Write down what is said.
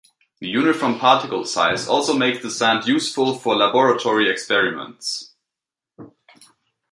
The uniform particle size also makes the sand useful for laboratory experiments.